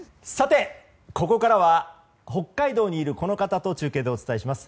ここからは北海道にいるこの方と中継でお伝えします。